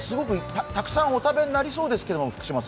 たくさんお食べになりそうですけれども？